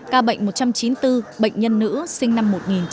ca bệnh một trăm chín mươi bốn bệnh nhân nữ sinh năm một nghìn chín trăm bảy mươi tám